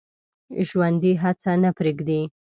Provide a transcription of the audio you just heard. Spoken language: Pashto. ژوندي هڅه نه پرېږدي